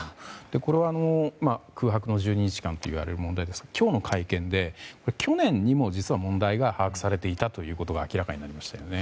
これは空白の１２日間といわれるもので今日の会見で、去年にも実は問題が把握されていたということが明らかになりましたね。